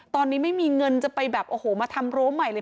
ตอนนี้ไม่มีเงินจะไปแบบโอ้โหมาทำรั้วใหม่เลย